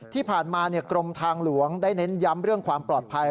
ที่ผ่านมากรมทางหลวงได้เน้นย้ำเรื่องความปลอดภัย